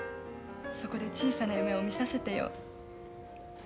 そこで小さな夢を見させてよ。